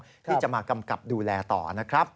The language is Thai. ที่เกี่ยวข้องที่จะมากำกับดูแลต่อนะครับ